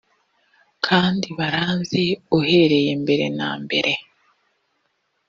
kandi baranzi uhereye mbere na mbere